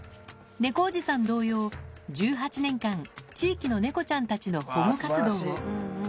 猫おじさん同様、１８年間、地域の猫ちゃんたちの保護活動を。